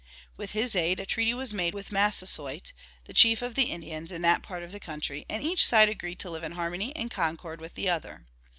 With his aid a treaty was made with Massasoit, the chief of the Indians in that part of the country, and each side agreed to live in harmony and concord with the other.